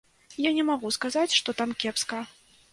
Я не магу сказаць, што там кепска.